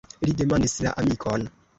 Li demandis la amikon.